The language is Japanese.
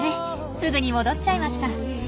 すぐに戻っちゃいました。